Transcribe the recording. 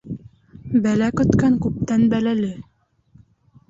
Бәлә көткән күптән бәләле.